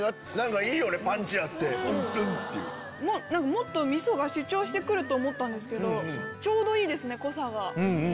もっと味噌が主張してくると思ったけどちょうどいいですね濃さが。